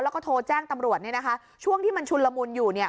แล้วก็โทรแจ้งตำรวจเนี่ยนะคะช่วงที่มันชุนละมุนอยู่เนี่ย